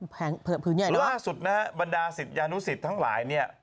เผื่อผิวเงื่อยหรือล่าสุดบรรดาศิษฐ์ยานุศิษฐ์ทั้งหลาย